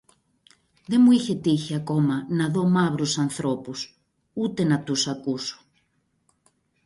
Δε μου είχε τύχει ακόμα να δω μαύρους ανθρώπους, ούτε να τους ακούσω